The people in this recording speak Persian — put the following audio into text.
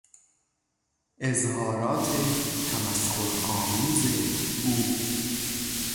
اظهارات تمسخرآمیز او